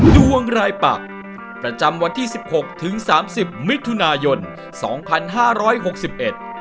ดวงรายปักประจำวันที่สิบหกถึงสามสิบมิถุนายนสองพันห้าร้อยหกสิบเอ็ด